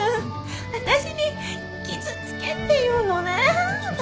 私に傷つけっていうのね。